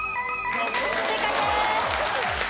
正解です。